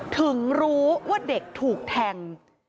ถึงรู้ว่าเด็กถูกแทง